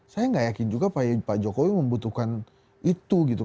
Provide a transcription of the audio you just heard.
saya enggak yakin juga pak jokowi membutuhkan itu